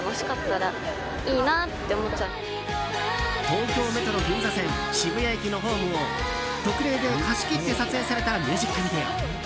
東京メトロ銀座線渋谷駅のホームを特例で貸し切って撮影されたミュージックビデオ。